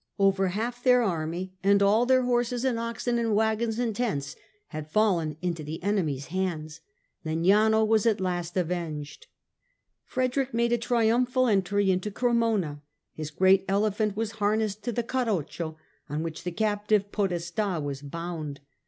Over half THE CONQUEROR 155 their army and all their horses and oxen and wagons and tents had fallen into the enemy's hands. Legnano was at last avenged. Frederick made a triumphal entry into Cremona. His great elephant was harnessed to the Carroccio, on which the captive Podesta was bound.